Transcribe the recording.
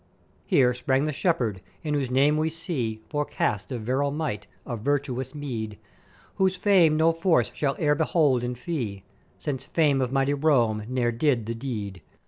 "Here sprang the Shepherd, in whose name we see forecast of virile might, of virtuous meed; whose fame no force shall ever hold in fee, since fame of mighty Rome ne'er did the deed.